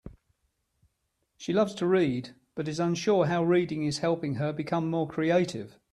She loves to read, but is unsure how reading is helping her become more creative.